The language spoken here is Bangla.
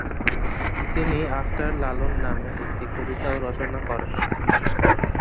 তিনি আফটার লালন নামে একটি কবিতাও রচনা করেন।